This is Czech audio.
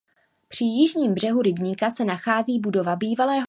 Při jižním břehu rybníka se nachází budova bývalého vodního mlýna.